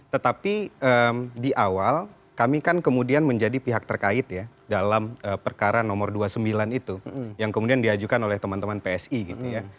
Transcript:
tetapi di awal kami kan kemudian menjadi pihak terkait ya dalam perkara nomor dua puluh sembilan itu yang kemudian diajukan oleh teman teman psi gitu ya